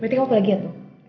berarti kamu pelagiat tuh